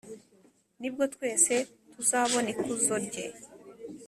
Nibwo twese tuzabon’ ikuzo rye